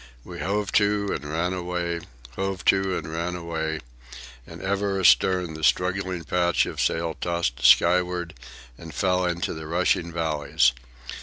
We hove to and ran away, hove to and ran away, and ever astern the struggling patch of sail tossed skyward and fell into the rushing valleys.